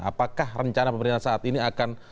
apakah rencana pemerintahan saat ini akan